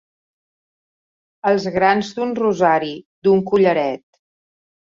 Els grans d'un rosari, d'un collaret.